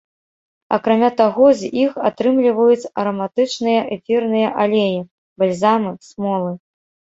Акрамя таго, з іх атрымліваюць араматычныя эфірныя алеі, бальзамы, смолы.